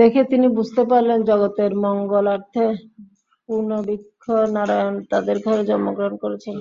দেখে তিনি বুঝতে পারলেন জগতের মঙ্গলার্থে পূর্ণবৃক্ষ নারায়ণ তাদের ঘরে জন্মগ্রহণ করেছেন।